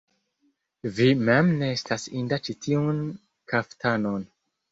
Vi mem ne estas inda ĉi tiun kaftanon!